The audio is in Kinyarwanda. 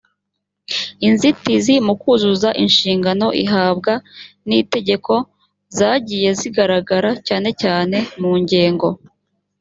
inzitizi mu kuzuza inshingano ihabwa n itegeko zagiye zigaragara cyane cyane mu ngengo